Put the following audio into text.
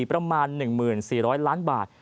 ประมาณ๑๔๐๐ล้านบาท